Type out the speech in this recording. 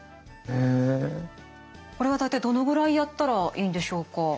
これは大体どのぐらいやったらいいんでしょうか？